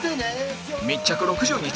密着６０日